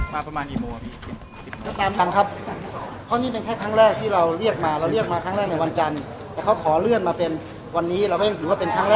ตามนั้นครับข้อนี้เป็นแค่ครั้งแรกที่เราเรียกมาเราเรียกมาครั้งแรกในวันจันทร์